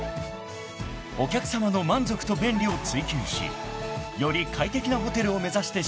［お客さまの満足と便利を追求しより快適なホテルを目指して進化し続ける］